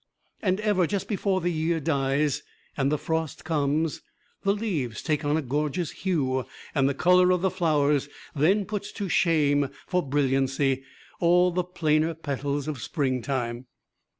And ever just before the year dies and the frost comes, the leaves take on a gorgeous hue and the color of the flowers then puts to shame for brilliancy all the plainer petals of Springtime.